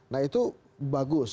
nah itu bagus